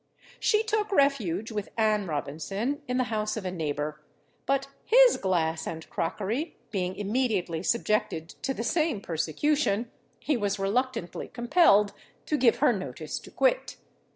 She took refuge with Anne Robinson in the house of a neighbour; but his glass and crockery being immediately subjected to the same persecution, he was reluctantly compelled to give her notice to quit.